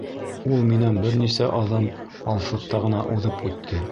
Ул минән бер нисә аҙым алыҫлыҡта ғына уҙып үтте.